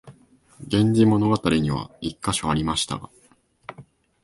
「源氏物語」には一カ所ありましたが、